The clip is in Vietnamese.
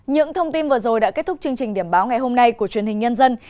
những thông tin vừa rồi đã kết thúc chương trình điểm báo ngày hôm nay của truyền hình nhân dân